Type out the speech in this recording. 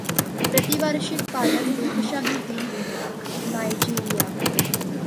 प्रतिवार्षिक पालन लोकशाही दिन नायजेरिया.